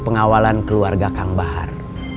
pengawalan keluarga kang bahar